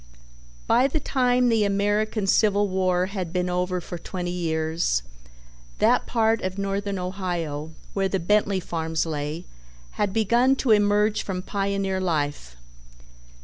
By the time the American Civil War had been over for twenty years, that part of Northern Ohio where the Bentley farms lay had begun to emerge from pioneer life.